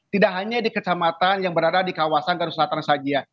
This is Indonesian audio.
tidak hanya di kecamatan yang berada di kawasan garut selatan saja